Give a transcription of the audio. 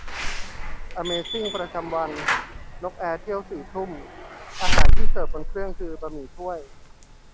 อเมซิ่งประจำวัน : นั่งนกแอร์เที่ยวสี่ทุ่ม อาหารที่เสิร์ฟบนเครื่องคือ บะหมี่ถ้วย !